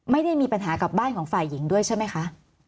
ไม่ได้มีปัญหากับบ้านของฝ่ายหญิงด้วยใช่ไหมคะ